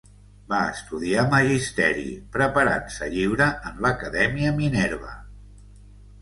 Va estudiar magisteri, preparant-se lliure en l'Acadèmia Minerva.